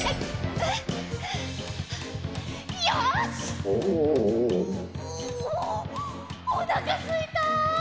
ううおなかすいた！